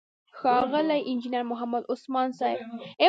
ښاغلی انجينر محمد عثمان صيب،